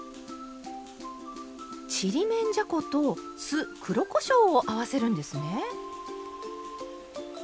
ちりめんじゃこと酢黒こしょうを合わせるんですね！